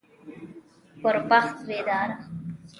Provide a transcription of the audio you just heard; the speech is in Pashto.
پر بخت بيداره